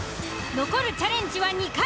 残るチャレンジは２回。